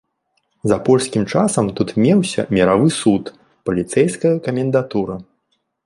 За польскім часам тут меўся міравы суд, паліцэйская камендатура.